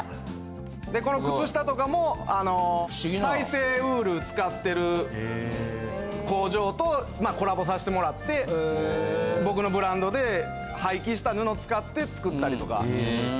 この靴下とかもあの再生ウール使ってる工場とコラボさせてもらって僕のブランドで廃棄した布使って作ったりとか。